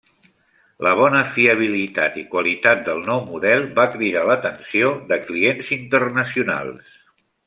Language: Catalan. La bona fiabilitat i qualitat del nou model va cridar l'atenció de clients internacionals.